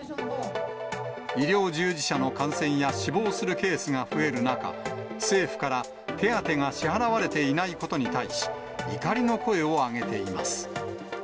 医療従事者の感染や死亡するケースが増える中、政府から手当が支払われていないことに対し、怒りの声を上げています。